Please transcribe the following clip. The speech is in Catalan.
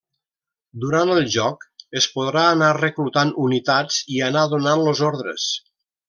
Durant el joc, es podrà anar reclutant unitats i anar donant-los ordres.